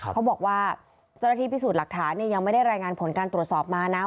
เขาบอกว่าเจ้าหน้าที่พิสูจน์หลักฐานยังไม่ได้รายงานผลการตรวจสอบมานะ